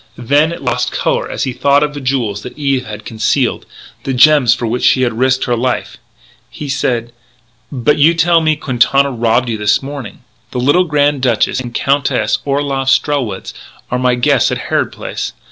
Then it lost colour as he thought of the jewels that Eve had concealed the gems for which she had risked her life. He said: "But you tell me Quintana robbed you this morning." "He did. The little Grand Duchess and the Countess Orloff Strelwitz are my guests at Harrod Place.